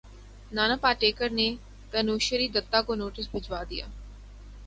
نانا پاٹیکر نے تنوشری دتہ کو نوٹس بھجوا دیا